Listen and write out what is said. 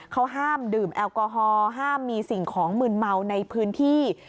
เขาห้ามดื่มแอลกอฮอลห้ามมีสิ่งของมืนเมาในพื้นที่